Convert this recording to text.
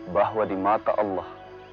bahwa di mata allah